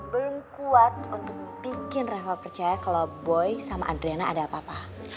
belum kuat untuk bikin rekor percaya kalau boy sama adrena ada apa apa